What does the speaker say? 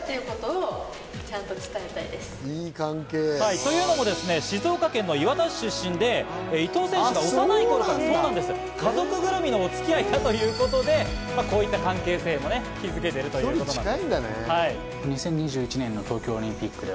というのも静岡県の磐田市出身で伊藤選手が幼い頃から家族ぐるみのお付き合いだということで、こういった関係性も築けているということなんです。